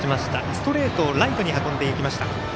ストレートをライトに運んでいきました。